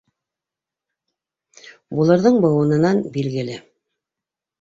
Булырҙың быуынынан билгеле.